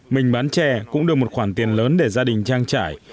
mình bán chè cũng được một khoản tiền lớn để gia đình trang trải